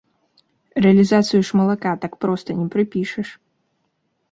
Рэалізацыю ж малака так проста не прыпішаш.